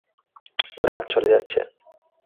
ওরা চলে যাচ্ছে।